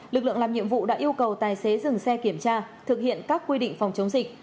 lực lượng làm nhiệm vụ đã yêu cầu tài xế dừng xe kiểm tra thực hiện các quy định phòng chống dịch